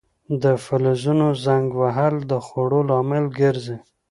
د فلزونو زنګ وهل د خوړلو لامل ګرځي.